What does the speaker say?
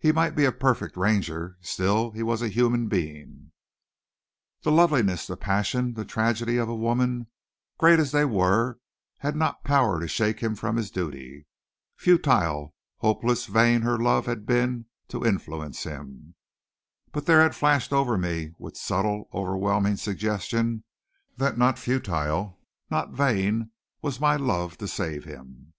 He might be a perfect Ranger; still he was a human being. The loveliness, the passion, the tragedy of a woman, great as they were, had not power to shake him from his duty. Futile, hopeless, vain her love had been to influence him. But there had flashed over me with subtle, overwhelming suggestion that not futile, not vain was my love to save him!